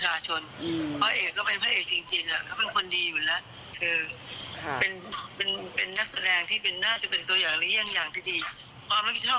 อย่างที่บอกว่าไอเอกเนี่ยเป็นศิลปินแห่งชาติสาขาศิลปะการแสดงด้วย